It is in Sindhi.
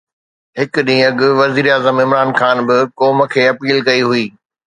هڪ ڏينهن اڳ وزيراعظم عمران خان به قوم کي اپيل ڪئي هئي